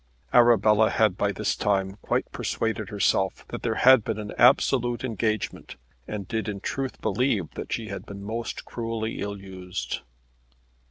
Arabella had by this time quite persuaded herself that there had been an absolute engagement, and did in truth believe that she had been most cruelly ill used.